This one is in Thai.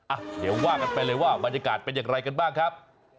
อ่ะเดี๋ยวว่ากันไปเลยว่าบรรยากาศเป็นอย่างไรกันบ้างครับ